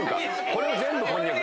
これも全部こんにゃく。